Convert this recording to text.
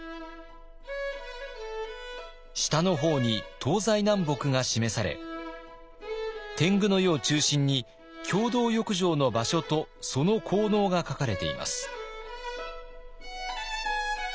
下の方に東西南北が示され天狗の湯を中心に共同浴場の場所とその効能が書かれています。